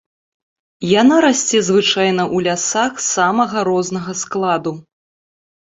Яна расце звычайна ў лясах самага рознага складу.